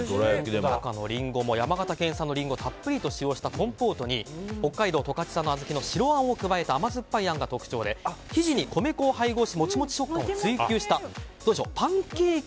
中のリンゴも山形県産のリンゴをたっぷりと使用したコンポートに北海道十勝産の小豆を使った白あんを加えた甘酸っぱいあんが特徴で生地に米粉を配合しモチモチ食感を追求した。